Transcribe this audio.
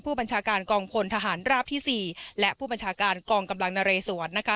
ผู้บัญชาการกองพลทหารราบที่๔และผู้บัญชาการกองกำลังนเรสวนนะคะ